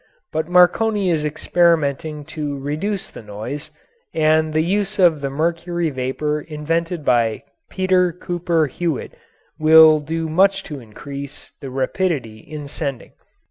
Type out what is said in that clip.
But Marconi is experimenting to reduce the noise, and the use of the mercury vapour invented by Peter Cooper Hewitt will do much to increase the rapidity in sending.